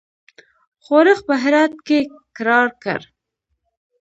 ښورښ په هرات کې کرار کړ.